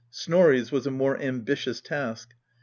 Snorri's was a more ambitious task.